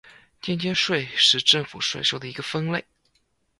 间接税是政府税收的一个分类。